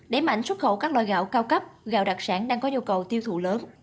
đẩy mạnh xuất khẩu các loại gạo cao cấp gạo đặc sản đang có nhu cầu tiêu thụ lớn